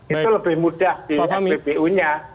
itu lebih mudah di spbu nya